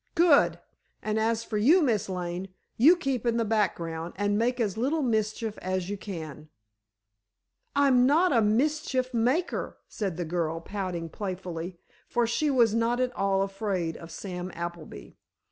"Good! And as for you, Miss Lane, you keep in the background, and make as little mischief as you can." "I'm not a mischief maker," said the girl, pouting playfully, for she was not at all afraid of Sam Appleby.